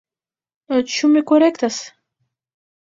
Ĉu mi korektas?